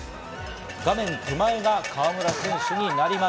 画面手前が川村選手になります。